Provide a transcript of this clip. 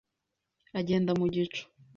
Agendera mu gicu